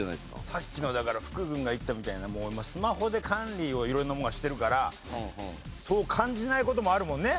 さっきのだから福君が言ってたみたいな今スマホで管理を色々なものはしてるからそう感じない事もあるもんね？